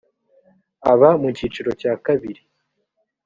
aba mu cyiciro cya kabiri